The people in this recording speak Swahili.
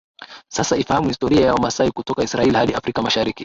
Sasa ifahamu historia ya Wamasai kutoka Israel hadi Afrika Mashariki